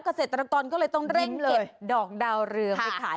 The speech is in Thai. เกษตรกรก็เลยต้องเร่งเก็บดอกดาวเรืองไปขาย